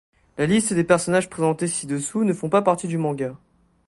La liste des personnages présentés ci-dessous ne font pas partie du manga.